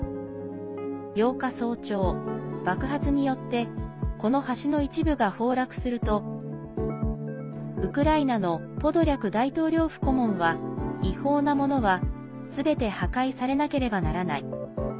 ８日早朝、爆発によってこの橋の一部が崩落するとウクライナのポドリャク大統領府顧問は違法なものはすべて破壊されなければならない。